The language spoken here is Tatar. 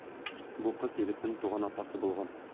Бу кыз егетнең туган апасы булган.